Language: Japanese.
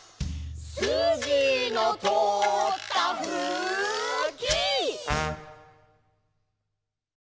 「すじのとおったふき」